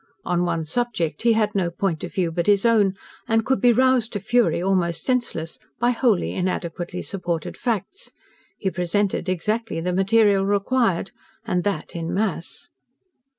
On one subject he had no point of view but his own, and could be roused to fury almost senseless by wholly inadequately supported facts. He presented exactly the material required and that in mass.